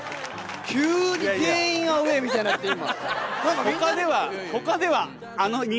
急に全員アウェーみたいになった今。